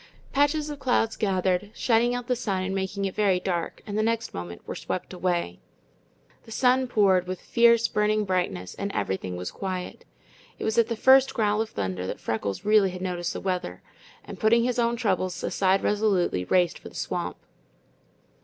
Patches of clouds gathered, shutting out the sun and making it very dark, and the next moment were swept away. The sun poured with fierce, burning brightness, and everything was quiet. It was at the first growl of thunder that Freckles really had noticed the weather, and putting his own troubles aside resolutely, raced for the swamp.